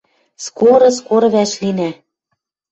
«Скоро, скоро вӓшлинӓ!»